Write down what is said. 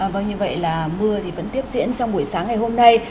vâng như vậy là mưa thì vẫn tiếp diễn trong buổi sáng ngày hôm nay